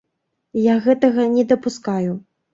Я гэтага не дапускаю.